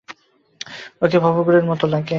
ওকে ভবঘুরের মতো লাগে।